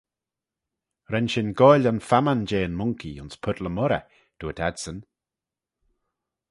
Ren shin goaill yn famman jeh'n Monkey ayns Purt le Moirrey, dooyrt adsyn.